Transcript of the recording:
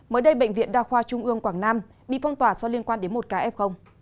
mới đây bệnh viện đa khoa trung ương quảng nam bị phong tỏa so với liên quan đến một ca f